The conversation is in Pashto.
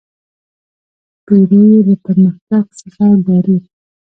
پیرو یې له پرمختګ څخه ډارېد.